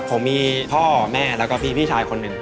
ผมมีพ่อแม่แล้วก็พี่ชายคนหนึ่ง